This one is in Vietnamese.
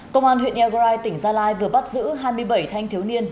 công an huyện earai tỉnh gia lai vừa bắt giữ hai mươi bảy thanh thiếu niên